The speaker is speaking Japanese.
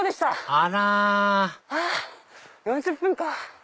あら４０分か。